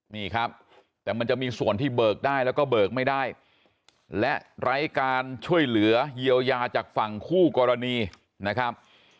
นี่ครับแต่มันจะมีส่วนที่เบิกได้แล้วก็เบิกไม่ได้และไร้การช่วยเหลือเยียวยาจากฝั่งคู่กรณีนะครับ